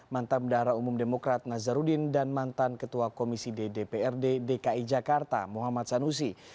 mantan bdu nazarudin dan mantan ketua komisi ddprd dki jakarta muhammad sanusi